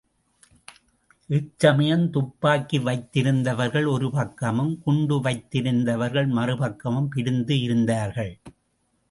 இச்சமயம் துப்பாக்கி வைத்திருந்தவர்கள் ஒரு பக்கமும், குண்டு வைத்திருந்தவர்கள் மறு பக்கமும் பிரிந்து இருந்தார்கள்.